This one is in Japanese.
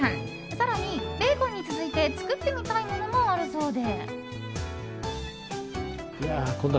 更に、ベーコンに続いて作ってみたいものもあるそうで。